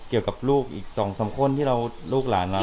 เกี่ยวกับลูกอีก๒๓คนที่เราลูกหลานเรา